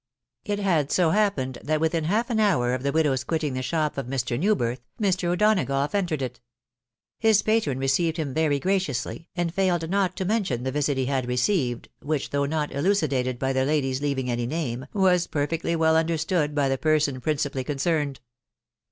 It had so happened, that within half an hour of the widow's quitting die shop of Mr. Newbirth, Mr. O'Donagough entered it His patron received him very graciously, and failed not to mention the visit he had received, which, though not elucidated by the lady's leaving any name, was perfectly well understood by the person principally concerned.